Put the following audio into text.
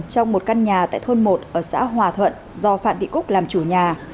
trong một căn nhà tại thôn một ở xã hòa thuận do phạm thị cúc làm chủ nhà